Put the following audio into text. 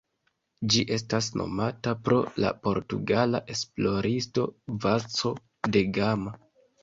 Ĝi estas nomata pro la portugala esploristo Vasco da Gama.